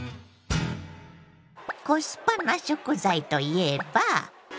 コスパな食材といえば。